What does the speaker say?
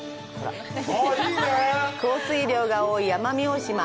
降水量が多い奄美大島。